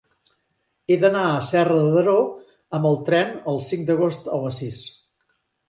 He d'anar a Serra de Daró amb tren el cinc d'agost a les sis.